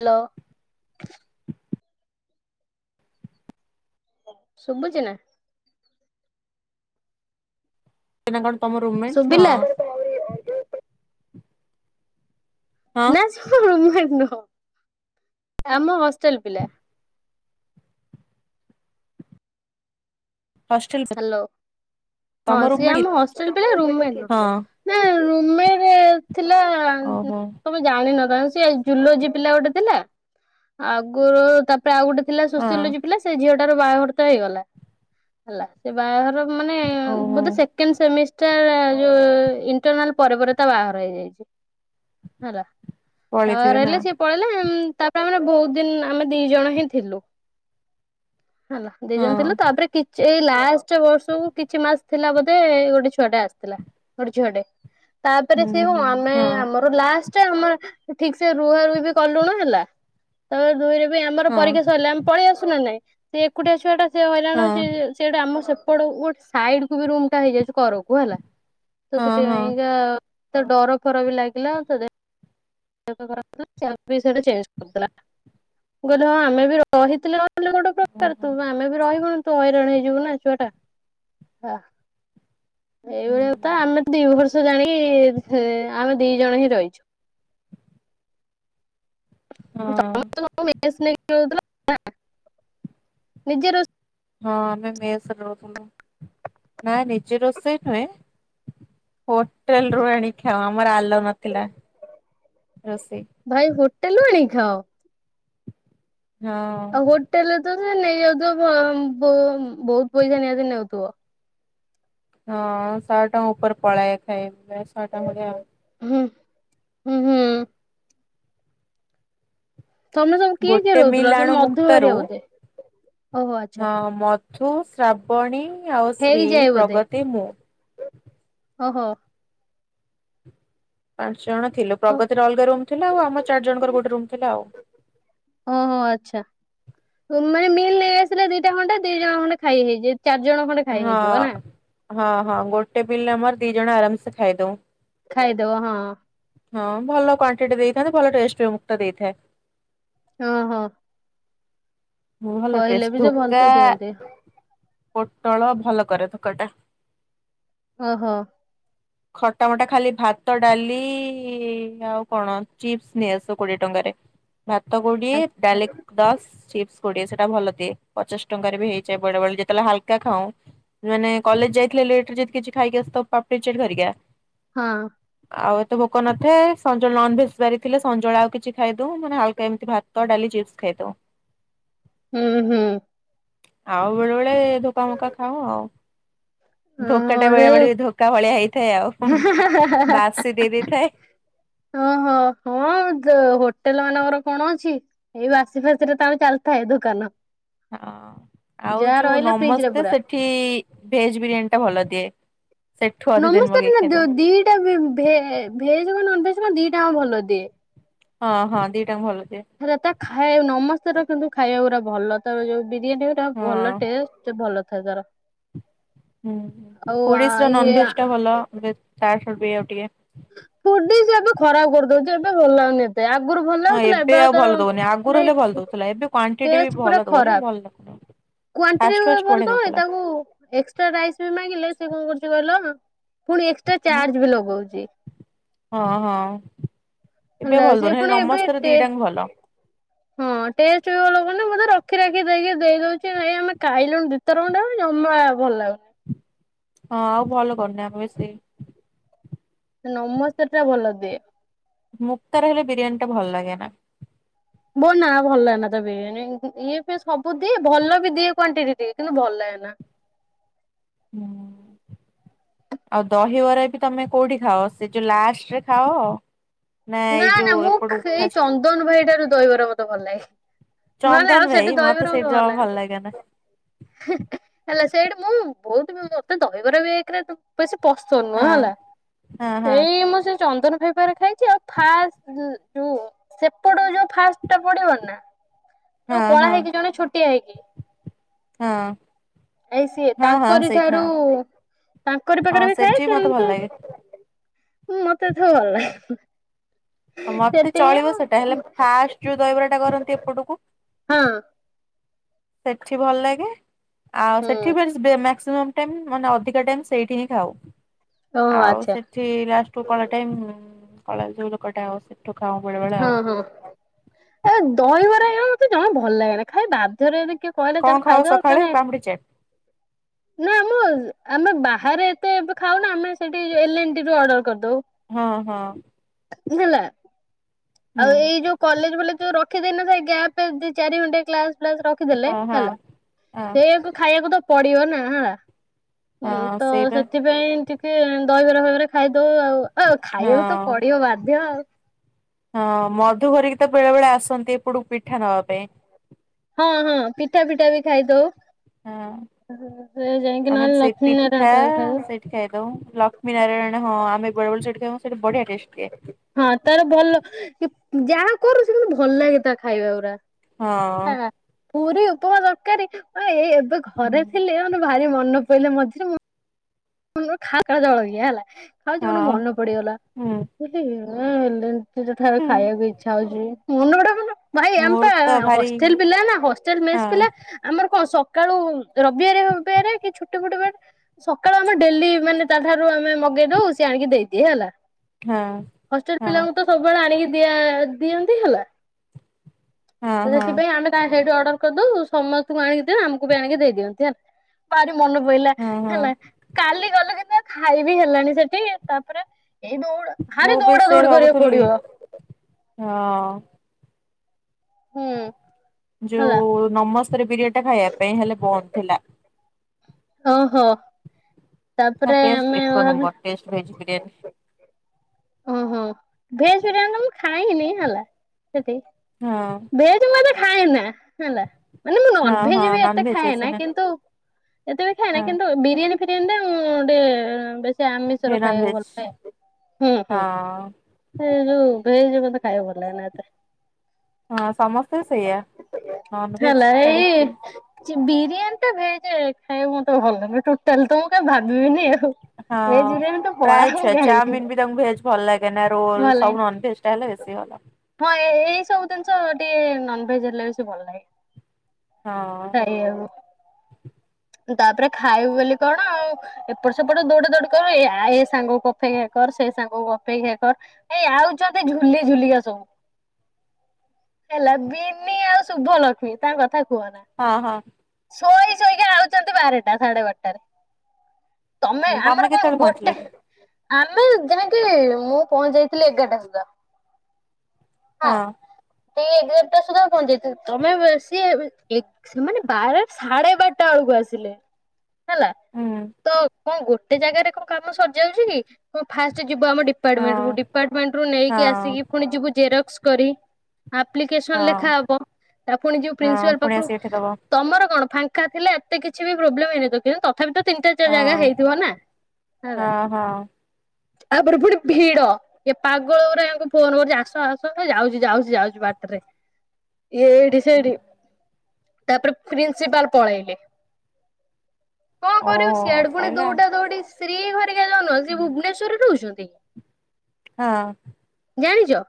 Hello. ଶୁଭୁଛି ନା? ତେମେ କଣ ତମ ରୁମମେଣ୍ଟ ଶୁଭିଲା ହଁ। ହଁ ନା ସେ ମୋ ରୁମମେଣ୍ଟ ନୁହଁ, ଆମ ହଷ୍ଟେଲ ପିଲା। ହଷ୍ଟେଲ ହଁ ତମ ସିଏ ରୁମମେଟ ଆମ ହଷ୍ଟେଲ ପିଲା, ରୁମମେଣ୍ଟ ନୁହଁ। ହଁ ନା ରୁମମେଣ୍ଟ ଥିଲା ଓହୋ ତମେ ଜାଣିନ [unintelligible] ଜୁଲୋଜି ପିଲା ଗୋଟେ ଥିଲା, ଆଗରୁ ତା ପରେ ଆଉ ଗୋଟେ ଥିଲା ହଁ ସୋସିଓଲୋଜି ପିଲା, ସେ ଝିଅଟାରୁ ବାହାଘର ତ ହେଇଗଲା। ହେଲା ସେ ବାହାଘର ମାନେ ଓହୋ ବୋଧେ ସେକଣ୍ଡ ସେମୀ ଷ୍ଟାର୍, ଯୋଉ ଇଣ୍ଟରନାଲ ପରେ ପରେ ତା ବାହାଘର ହେଇଯାଇଛି। ହେଲା। ତା ବାହାଘର ପଳେଇଥିବେ ନା ହେଲେ ସିଏ ପଳେଇଲେ ଏମ୍ ତା ପରେ ଆମେ ବହୁତ ଦିନ ଆମେ ଦି ଜଣ ହିଁ ଥିଲୁ। ହେଲା ଦି ହଁ ଜଣ ଥିଲୁ, ତାପରେ କି ଏଇ ଲାଷ୍ଟ ବର୍ଷକୁ କିଛି ମାସ ଥିଲା ବୋଧେ, ଗୋଟେ ଛୁଆଟେ ଆସିଥିଲା ଗୋଟେ ଝିଅଟେ। ତାପରେ ହୁଁ ସିଏ କଣ, ହୁଁ ଆମେ ହଁ ଆମର ଲାଷ୍ଟେ ଆମେ ଠିକ ସେ ରୁହା ରୁହି ବି କଲୁନୁ ହେଲା, ତାପରେ ଦୁଇ ରେ ଆମର ହଁ ପରୀକ୍ଷା ସରିଲେ ଆମେ ପଳେଇ ଆସୁ ନା ନାଇଁ, ସେ ଏକୁଟିଆ ଛୁଆଟା ସେ ହଇରାଣ ହଁ ହେଉଛି। ସେଟା ଆମ ସେ [unintelligible] ଗୋଟେ ସାଇଡକୁ ବି ରୁମଟା ହେଇଯାଇଛି କରକୁ ହେଲା, ତ ହଁ ହଁ ସେଥିପାଇକା ମତେ ଡର ଫର ବି ଲାଗିଲା ସେ [unintelligible] ସେଇଠୁ ସେ ଚେଞ୍ଜ କରିଦେଲା, ମୁଁ କହିଲି ହଁ ଆମେ ବି ରହିଥିଲେ ର [unintelligible] ଗୋଟେ ପ୍ରକାର ତୁ ଓହୋ ଆମେ ବି ରହିବୁୁନୁ। ହଇରାଣ ହେଇଯିବ ନା ଛୁଆ ଟା, ହୁଁ ଏଇଭଳିଆ କଥା ଆମେ ଦି ବର୍ଷ ତ ଜାଣି ଆମେ ଦି ଜଣ ହିଁ ରହିଛୁ। ହଁ। ମେସ ନେଇକି ରହୁଥିଲା ନା, ନିଜେ ରୋଷେଇ ହଁ ଆମେ ମେସରେ ରହୁଥିଲୁ, ନା ନିଜେ ରୋଷେଇ ନୁହେଁ। ହୋଟେଲରୁ ଆଣି ଖାଉ, ଆମର ଆଲାଉ ନଥିଲା ରୋଷେଇ। ଭାଇ ହୋଟେଲରୁ ଆଣି ଖାଅ? ହଁ ଆଉ ହୋଟେଲରେ ତ ସେ ନେଇଯାଉଥିବ, ବ ବୋ ବହୁତ ପଇସା ନିହାତି ନେଉଥିବ। ହଁ ଶହେ ଟଙ୍କା ଉପରେ ପଳାଏ, ଖାଇ ଶହେ ଟଙ୍କା ଭଳିଆ। ହୁଁ- ହୁଁ- ହୁଁ। ତମେ ସବୁ କିଏ କିଏ ଗୋଟେ ରହୁଥିଲ, ମିଲ୍ ସେ ଆଣୁ ମଧୁ ହେରିକା ମୁକ୍ତାରୁ ବୋଧେ? ଓହୋ ଆଚ୍ଛା। ହଁ ମଧୁ, ଶ୍ରାବଣୀ ଆଉ ଶ୍ରୀ, ହେଇଯାଏ ପ୍ରଗତି, ମୁଁ। ଓ ହୋ। ପାଞ୍ଚ ଜଣ ଥିଲୁ। ପ୍ରଗତିର ଅଲଗା ରୁମ୍ ଥିଲା, ଆଉ ଆମ ଚାରି ଜଣଙ୍କର ଗୋଟେ ରୁମ୍ ଥିଲା ଆଉ। ହଁ ଆଚ୍ଛା ମାନେ ମିଲ୍ ନେଇ ଆସିଲେ ଦିଟା ଖଣ୍ଡେ, ଦି ଜଣ ଖଣ୍ଡେ ଖାଇ ହେଇଯାଏ। ହଁ- ହଁ- ହଁ ଗୋଟେ ମିଲ ଆମର ଦି ଜଣ ଆରାମସେ ଖାଇଦଉ। ଖାଇଦବ ହଁ ହଁ ଭଲ କ୍ୱାଣ୍ଟିଟି ଦେଇ ତରକାରି ଭଲ ଟେଷ୍ଟ [unintelligible] ଟା ଦେଇଥାଏ। ଓ ହୋ। ହଁ ଭଲ ଟେଷ୍ଟ ଧୋକା ଭଲସେ ଦିଅନ୍ତି ପୋଟଳ ଭଲ କରେ ତରକାରିଟା। ଓ ହୋ। ଖଟା ମଟା ଖାଲି ଭାତ, ଡାଲି ଆଉ କଣ ଚିପ୍ସ ନେଇ ଆସୁ କୋଡିଏ ଟଙ୍କା ରେ ଭାତ କୋଡିଏ, ଆଚ୍ଛା। ଡାଲି ଦଶ, ଚିପ୍ସ କୋଡିଏ ସେଟା ଭଲ ଦିଏ, ପଚାଶ ଟଙ୍କାରେ ବି ହେଇଯାଏ ବେଳେବେଳେ। ଯେ ତେ ବେଳେ ହାଲକା ଖାଉଁ, ମାନେ କଲେଜ ଯାଇଥିଲେ ଲେଟରେ ଯଦି କିଛି ଖାଇକି ଆସିଥାଉ। ପାପଡି ଚାଟ୍ ହେରିକା। ହଁ। ତ ଭୋକ ନଥାଏ ସଞ୍ଜଳ ନନ୍ ଭେଜ ବାରି ଥିଲେ ସଞ୍ଜଳ ଆଉ କିଛି ଖାଇଦଉ ମାନେ ହାଲକା ଏମିତି ଭାତ ଡାଲି ଚିପ୍ସ ଖାଇଦଉ। ତ। ହୁଁ ହୁଁ। ଆଉ ବେଳେ ବେଲେ ବେଳେ ବେଳେ ଧୋକାମକା ଖାଉ ଆଉ ଧୋକା ଓହୋ ଟା ବେଳେ ସେଇ ବେଳେ ଧୋକା ଭଳିଆ ହେଇ ଥାଏ ଆଉ ବାସି ଦେଇ ଦେଇଥାଏ। ଓହୋ ହଁ ତ ହୋଟ ହୋଟେଲ ମାନଙ୍କର କଣ ଅଛି ଏଇ ବାସି ଫାସିରେ ତ ଚାଲିଥାଏ ଦୋକାନ। ହଁ ଆଉ ଯାହା ଯୋଉ ରହିଲା ଫ୍ରିଜ ରେ ନମସ୍ତେ ପୁରା ସେଠି ଭେଜ ବିରିୟାନୀ ଟା ଭଲ। ଦିଏ। ସେଠୁ ଅଧିକ ଦିନ ନମସ୍ତେ ମଗେଇ ନା ଦି ଖାଇଦଉ ଦିଟା ଭେ ଭେଜ କ ନନଭେଜ୍ ଦିଟା ହ ଭଲ ଦିଏ। ହଁ ହଁ ଦିଟାଙ୍ଗ ଭଲ। ଦିଏ ହେରା ତ ଖାଇବାକୁ ନମସ୍ତେର କିନ୍ତୁ ଖାଇବାକୁ ପୁରା ଭଲ ତ ଏବେ ଯୋଉ ବିରିୟାନୀ ଗୁଡା ଭଲ ହଁ ଟେଷ୍ଟ ଭଲ ଥାଏ ତାର। ହୁ ଆଉ ଆ ଓଡ଼ିସିର ଇଏ ନନ୍ ଭେଜ୍ ଟା ଭଲ ବେ ଚାରଶହ ର ଟିକେ ଫୁଡି ସେ ଏବେ ଖରାପ କରିଦଉଛି। ଏବେ ଭଲ ଲାଗୁନି ଏବେ, ସେ ଆଗରୁ ଭଲ ହଁ ଲାଗୁଥିଲା ଏବେ ଆଉ ଭଲ ତାର ଦଉନି ଆଗରୁ ମାନେ ହେଲେ ଭଲ ଉ ଦଉଥିଲା ଏବେ କ୍ଵାଣ୍ଟିଟି ବି ଟେଷ୍ଟ୍ ପୂରା ଭଲ ଦଉନି ଖରାପ। ଭଲ ଲାଗୁନି। ଫାଷ୍ଟ କ୍ୱାଣ୍ଟିଟି ଫାଷ୍ଟ ଭଲ ବଢିଆ ହୁଏ ଦଉଥିଲା ତାକୁ ଏକ୍ସଟ୍ରା ରାଇସ୍ ବି ମାଗିଲେ ସେ କଣ କରୁଛି କହିଲ, ପୁଣି ଏକ୍ସଟ୍ରା ଚାର୍ଜ ବି ଲଗଉଛି। ହଁ ହଁ ଏବେ ହେଲା ଭଲ ସେ ଦଉନି ହେଲେ ପୁଣି ଏବେ ନମସ୍ତେରେ ଟେ ଦିଟାଙ୍କ ଭଲ ହଁ ଟେଷ୍ଟ ବି ଭଲ କରୁନି ମୁଁ ସେଥିପାଇ ର ରଖି ରଖି ଦେଇକି ଦେଇ ଦଉଛି ନାଇଁ ଆମେ ଖାଇଲୁଣି ଦିଥର ଖଣ୍ଡେ ଜମା ଭଲ ଲାଗୁନି ହଁ ଆଉ ଭଲ କରୁନି ଆଉ ବେଶୀ। ନମସ୍ତେ ଟା ଭଲ ଦିଏ। ମୁକ୍ତାର ହେଲେ ବିରିୟାନୀ ଟା ଭଲ ଲାଗେ। ନା ବୋ ନା ନା ଭଲ ଲାଗେନା ତ ଇଏ ସବୁ ଦିଏ ଭଲ ବି ଦିଏ କ୍ଵାଣ୍ଟିଟି କିନ୍ତୁ ଭଲ ଲାଗେନ ଖାଏନା ହୁଁ ଆଉ ଦହିବରା ବି ତମେ କୋଉଠି ଖାଅ। ସେ ଯୋଉ ଲାଷ୍ଟରେ ଖାଅ ନା ଏଇ ଯୋଉ ନା ମୁଁ ଏପଟୁ ଖା ଏଇ ଫାଷ୍ଟ ଚନ୍ଦନ ଭାଇ ଠାରୁ ଦହିବାର ମତେ ଭଲ ଲାଗେ। ନହେଲେ ଚନ୍ଦନ ଆଉ ଭାଇ ସେଠି ଦହିବରା ସେଇଠି ମତେ ଭଲ ଜମା ଲାଗେନା ହୁ ହୁ ହେଲା ସେଇଠି ମୁଁ ବହୁତ ବି ମତେ ଦହିବରା ଏକରେ ବେଶୀ ପସନ୍ଦ ନୁହଁ ହଁ ହେଲା ହଁ ହଁ ଏଇ ମୁଁ ସେ ଚନ୍ଦନ ଭାଇ ପାଖରେ ଖାଇଛି ଆଉ ଫାଷ୍ଟ ଉ ଉ ସେପଟ ଯୋଉ ଫାଷ୍ଟ ଟା ପଡିବ ନା ଯୋଉ ହଁ କଳା ହଁ ହେଇକି ଜଣେ ଛୋଟିଆ ହେଇକି। ହଁ ଏଇ ସିଏ ହଁ ହଁ ତାଙ୍କରି ସେଇଠି ଠାରୁ ହଁ ତାଙ୍କରି ପାଖରେ ହଁ ବି ଥାଏ ସେଠି ମତେ ଭଲ ଲାଗେ। କିନ୍ତୁ ମତେ ଏତେ ଭଲ ଲାଗନି ମତେ ଚଳିବ ସେଟା ହେଲେ ଫାଷ୍ଟ ଯୋଉ ଦହିବରାଟା କରନ୍ତି ଏପଟକୁ ହଁ ସେଠି ଭଲ ଲାଗେ ଆଉ ହୁଁ ସେଠି ବେଶୀ ବେମା ସେମ୍ ଟାଇମ୍ ମାନେ ଅଧିକା ଟାଇମ୍ ସେଇଠି ହିଁ ଖାଉ ଓହୋ ଆଉ ଆଚ୍ଛା ସେଠି ଲାଷ୍ଟକୁ କଳା ଟାଇମ୍ କଳା ଯୋଉ ଲୋକଟା ଆଉ ସେଠି ହଁ ହଁ ଏ ଦହିବରା ହେଉ ମତେ ଜମା ଭଲ ଲାଗେନି ଖାଲି ବାଧ୍ୟରେ କିଏ କହିଲା କଣ ଚାଲେ ଖାଉ ଖାଇଦବା ସକାଳେ ଫେନେ ପାମ୍ପୁଡି ଚାଟ୍ ନାଇଁ ମୁଁ ଉ ଆମେ ବାକି ଥରେ ଏତେ ଏବେ ଖାଉନା ଆମେ ସେଠି ଏଲ, ଏନ୍, ଟି ରୁ ଅର୍ଡର କରିଦେଉ ହଁ ହଁ ହେଲା ଆଉ ହୁଁ ଏଇ ଯୋଉ କଲେଜ ବାଲି ଯୋଉ ରଖି ଦେଇନଥାଏ ଗ୍ୟାପ୍ ଦି ଚାରି ଘଣ୍ଟା କ୍ଲାସ ରଖିଦଲେ ହଁ ହଁ। ହେଲା ହଁ ସେଇଆକୁ ଖାଇବାକୁ ତ ପଡିବ ନା ହେଲା। ହଁ ତ ସେଇପା ସେଥିପାଇଁ ଟିକେ ଦହିବରା ଭାବରେ ଖାଇଦଉ ଆଉ ଆଉ ଖାଇବାକୁ ତ ହଁ। ପଡିବ ବାଧ୍ୟ ଆଉ। ହଁ ମଧୁ ହରିକି ତ ବେଳେ ବେଳେ ଆସନ୍ତି ଏପଟକୁ ପିଠା ନବା ପାଇଁ। ହଁ ହଁ ପିଠା ପିଠା ବି ଖାଇଦଉ। ହଁ ସେ ଯାଇକି ଆମେ ନହେଲେ ବି ସେଇ ଲକ୍ଷ୍ମୀ ନାରାୟଣ ପିଠା ପାଖରେ ଖାଇଦଉ ସେଇଠି ଖାଇଦେଉ ଲକ୍ଷ୍ମୀ ନାରାୟଣ ହଁ ଆମେ ବେଳେବେଳେ ସେଇଠି ଖାଉ ସେଇଠି ବଢିଆ ଟେଷ୍ଟ। ଦିଏ ହଁ ତାର ଭଲ ଯାହା କରୁ ସେମିତି ଭଲ ଲାଗେ ତା ଖାଇବା ଗୁରା ହଁ। ପୁରୀ ଉପମା ତରକାରୀ ଏଇ ଏବେ ଘରେ ଥିଲି ଭାରି ମନେ ପଡିଲ ମଝିରେ ମୁଁ। ଖା ଖା ଜଳଖିଆ ହେଲା ଖାଉଚି ମୋର ହଁ ମନେ ପଡିଗଲା। ହୁଁ ହଁ ଏଲ ଏନ ଟିରେ ହୁଁ ଖାଇବାକୁ ଇଚ୍ଛା ହଉଛି ମନ ଗୁଡାକ ଭାଇ ଆମେ ମୋର ପା ତ ଭାରି ହଷ୍ଟେଲ ପିଲା ନା ହଷ୍ଟେଲ ମେସ୍ ହଁ ପିଲା ଆମର କଣ ସକାଳୁ ରବିବାର ହବରେ କି ଛୁଟି ଫୁଟି ସକାଳୁ ଆମେ ଡେଲି ମାନେ ତାଠାରୁ ଆମେ [unintelligible] ସେ ଆଣିକି ଦେଇଦିଏ ହେଲା ହଁ ହୋଷ୍ଟେଲ ପିଲା ହଁ ମାନଙ୍କୁ ତ ସବୁବେଳେ ଆଣିକି ଦି ଦିଅନ୍ତି ହେଲା ହଁ ହଁ ସେଥିପାଇଁ ଆମେ କ ସେଇଠି ଅର୍ଡର କରିଦେଉ ସମସ୍ତଙ୍କୁ ଆଣିକି ଦିଅ ଆମକୁ ବି ଆଣିକି ଦେଇ ଦିଅନ୍ତି ହେଲା ମନେ ପାଇଲା ହଁ ହଁ ହେଲା ଗଲୁ କିନ୍ତୁ ଖାଇବି ହେଲାନି ସେଠି ତାପରେ ଦୌଡ ଏଇ ଦୌଡା ମୁଁ ହାର ବି ଦୌଡା ସେ ଦୌଡି କରିବାକୁ ଭାବୁଥିଲି ପଡିବ। ହଁ। ହୁଁ। ହେଲା ଯୋଉ ନମସ୍ତାରେ ପିରିଅଡ ଟା ଖାଇବା ପାଇଁ ହେଲେ ବନ୍ଦ ଥିଲା, ଓହୋ ତା ତାପରେ ଟେଷ୍ଟ ଆମେ ଏକ ନମ୍ବର ଟେଷ୍ଟ ଭେଜ ବିରିୟାନୀ ଓହୋ ଭେଜ ବିରିୟାନୀ ମୁଁ ଖାଇନି ହେଲା ସେଠି ହଁ ଭେଜ ମତେ ଖାଏନା ହେଲା। ମାନେ ମୁଁ ହଁ ହଁ ନନଭେଜ ବି ଏତେ ନନଭେଜ ଖାଏ ବେଶୀ ନା କିନ୍ତୁ ଏତେ ବି ଖାଏ ନା କିନ୍ତୁ ହଁ ବିରିୟାନି [unintelligible] ଗୋଟେ ବେସ୍ ସେ ଆମିଷର ଖାଇବାକୁ ନନଭେଜ ଭଲ ପାଏ ହୁଁ ହୁଁ ହଁ ସେ ଯୋଉ ଭେଜ ମତେ ଖାଇବାକୁ ଭଲାଗ ନା ଏତେ। ହଁ ସମସ୍ତେ ସେଇଆ ନନଭେଜ ହେଲା ଏଇ ଛାଡ଼ିକି ବିରିୟାନୀ ଟା ଭେଜ ଖାଇବା ମତେ ଭଲ ଲାଗେ ଟୋଟାଲ ତ ମୁଁ କା ଭାବିବିନି ଆଉ ଭେଜ୍ ହଁ। ବିରିଆନି ତ ପଳା ପ୍ରାୟ ମୁଁ ଛୁଆ ଖାଇବିନି ଚାଉମିନ ବି ତାଙ୍କୁ ଭେଜ୍ ଭଲ ଲାଗେ ନା ରୋଲ ଭଲ ଲାଗେନି ସବୁ ନନ ଭେଜ ଟା ହେଲେ ବେସି ହଁ ଏଇ ସବୁ ଜିନିଷ ଟିକେ ନନଭେଜ ହେଲେ ବିଶ ଭଲ ଲାଗେ। ହଁ ଖାଇବାକୁ। ତାପରେ ଖାଇଉ ବୋଲି କଣ ଆଉ ଏପଟ ସେପଟ ଦୌଡି ଦୌଡି କର ଏ ସାଙ୍ଗ କଫେଇ କର ସେ ସାଙ୍ଗ ଅପେକ୍ଷା କର ଏଇ ଆଉଛେ ଝୁଲି ଝୁଲିିକା ସବୁ ହେଲା ବିିନି ଆଉ ଶୁଭ ଲକ୍ଷ୍ମୀ ତାଙ୍କ କଥା କୁହନା। ହଁ ହଁ। ଶୋଇ ଶୋଇକି ବାରଟା ସାଢେ ବାରଟାରେ ତମେ ହଁ ଆମର କଣ କେତେବେଳେ ଗୋଟେ ପହଞ୍ଚିଲ କି? ଆମେ ଯେଇକି ମୁଁ ପହଁଚି ଯାଇଥିଲି ଏଗାରଟା ସୁଦ୍ଧା। ହଁ। ଟିକେ ଦୋରଟା ସୁଦ୍ଧା ପହଞ୍ଚି ଯାଇଥିଲି ତମେ ସିଏ ସେମାନେ ବାର ସାଢେ ବାରଟା ବେଳକୁ ଆସିଲେ ହେଲା ହୁଁ ତ କଣ ଗୋଟେ ଜାଗାରେ କଣ କାମ ସରିଯାଉଛି କି କଣ ଫାଷ୍ଟ୍ ଯବ ଆମ ଡିପାର୍ଟମେଣ୍ଟ କୁ ହଁ ଡିପାର୍ଟମେଣ୍ଟ ରୁ ନେଇକି ହଁ ଆସିକି ପୁଣି ଯିବୁ ଜେରକ୍ସ କରି ଆପ୍ଲିକେସନ୍ ଲେଖା ହଁ ହବ ତା ପୁଣି ଯିବ ହଁ ପ୍ରିନ୍ସିପାଲ୍ ପୁଣି ପାଖରୁ ଆସିକି ଏଠି ଦବ ତମର କଣ ଫାଙ୍କା ଙ୍କା ଥିଲା ଏତେ କିଛି ବି ପ୍ରୋବ୍ଲେମ୍ ହୋଇନଥିବ [unintelligible] ତଥାପି ତ ତିନିଟା ଚାରଟା ଜାଗା ହଁ ହେଇଥିବ ନା ହଁ ହଁ। ତାପରେ ପୁଣି ଭିଡ ଏ ପାଗଳ ରେ ଅଙ୍କୁ ଫୋନ କରୁଛି ଆସ ଆସ। ଯାଉଛି ଯାଉଛି ଯାଉଛି ବାଟରେ ଇଏ ଏଇଠି ସେଇଠି ତାପରେ ପ୍ରିନ୍ସିପାଲ ପଳେଇଲେ। କଣ କରିବୁ ଓହୋ ସିଆଡେ ପୁଣି ସଇଲା ଦଉଡ଼ା ଦଉଡି ଶ୍ରୀ ଘରିକା ଯୋଉ ନୁହ ସେ ଭୁବନେଶ୍ଵରରେ ରହୁଛନ୍ତି? ହଁ। ଜାଣିଛ?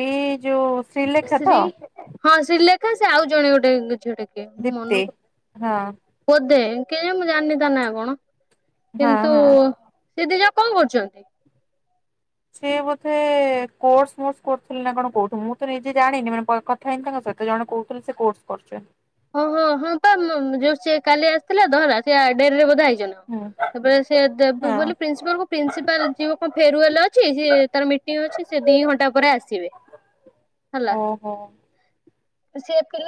ଏ ଯୋଉ ଶ୍ରୀଲେଖା ତ ଶ୍ରୀ ହଁ ଶ୍ରୀଲେଖା ସେ ଆଉ ଜଣେ ଗୋଟେ ଝିଅ ଟାଏ। ଦୀପ୍ତି ମନୁକୁ ହଁ ବୋଧେ। କେଜାଣି ମୁଁ ଜାଣିନି ତା ନା କଣ, ହଁ କିନ୍ତୁ ହଁ। ସେ ଦି ଜଣ କଣ କରୁଛନ୍ତି? ସେ ବୋଧେ କୋର୍ସ ମୋସ କରୁଥିଲେ ନା କଣ କୋଉ ଠୁ ମୁଁ ତ ନିଜେ ଜାଣିନି ମାନେ କଥା ହେଇନି ତାଙ୍କ ସ କେତେ ଜଣ କହୁଥିଲେ ସେ କୋର୍ସ କରୁଛନ୍ତି। ହଁ ହଁ ହଁ ପା ଯୋଉ ସିଏ କାଲି ଆସିଥିଲେ ତ ହେଲା ସେ ଡେରିରେ ବୋଧେ ଆଇଛନ୍ତି। ହୁଁ ତାପରେ ସେ ଦେବୁ ହଁ। ବୋଲି ପ୍ରିନ୍ସିପାଲ କୁ ପ୍ରିନ୍ସିପାଲ ଯିବ କଣ ଫେରୁୱଲ ଅଛି ତାର ମିଟିଂ ଅଛି ସେ ଦି ଘଣ୍ଟା ପରେ ଆସିବେ। ଓ ହୋ। ସିଏ ଵି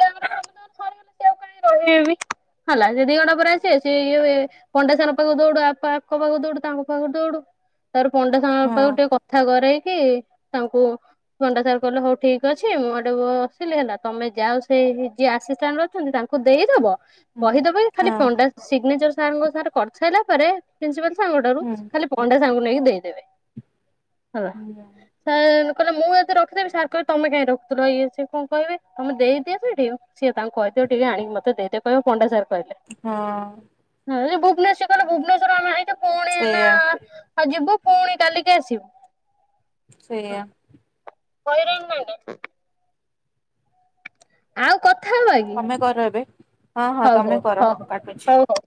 ଘରେ ଗଲେ ଏକୁଟିଆ କାଇଁ ରହିବି। ହେଲା ସେ ଦିଘଣ୍ଟା ପରେ ଆସିବେ ସେ ଇଏ ପଣ୍ଡା ସାର ଙ୍କ ପାଖକୁ ଦୌଡୁ ଆଙ୍କ ପାଖକୁ ଦୌଡୁ ତାଙ୍କ ପାଖକୁ ଦୌଡୁ। ତାପରେ ପଣ୍ଡା ସାର ଙ୍କ ହଁ ପାଖକୁ ଟିକେ କଥା କରେଇକି ତାଙ୍କୁ ପଣ୍ଡା ସାର କହଲେ ହଉ ଠିକ ଅଛି ମୁଁ ଏଡେ ବସିଲି ହେଲା ତମେ ଯାଅ ସେ ଯିଏ ଆସି [unintelligible] ଅଛନ୍ତି ତାଙ୍କୁ ଦେଇଦବ ହୁଁ କହିଦବ ଖାଲି ହଁ ପଣ୍ଡା ସି୍ଗନେଚର ସାର୍ ଙ୍କ [unintelligible] କରିସାରିଲା ପରେ ପ୍ରିନସିପାଲ ସାରଙ୍କ ଠାରୁ ହୁଁ ଖାଲି ପଣ୍ଡା ସାର ଙ୍କୁ ନେଇ ଦେଇଦେବେ। ହେଲା ହୁଁ [unintelligible] କହିଲେ ମୁଁ ଯଦି ରଖିଦେବି ସାର କହିବେ ତମେ କାଇଁ ରଖୁଥିଲ। ଇଏ ସିଏ କଣ କହିବେ ତମେ ଦେଇ ଦିଅ ସେଠି ସିଏ ତାଙ୍କୁ କହିଦିଅ ଟିକେ ଆଣି ମତେ ଦେଇଦେବେ କହିବ ପଣ୍ଡା ସାର ହଁ। ନା ସିଏ କହିଲେ ଭୁବେନେଶ୍ୱର ଆମେ ଆଇଛୁ ପୁଣି ଏଇନା ସେଇୟା। ଆଉ ଯିବୁ ପୁଣି କାଲିକି ଆସିବୁ। ସେଇଆ। ହଇ ରାଣ ନା ନାଇ। ଆଉ କ ତମେ କର ଏବେ ହଁ ହଁ ହଉ ତମେ ହଉ କର ହଉ ମୁ କାଟୁଛି। ହଉ ହଉ।